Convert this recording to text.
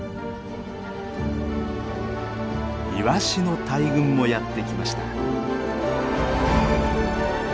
イワシの大群もやって来ました。